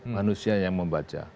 manusia yang membaca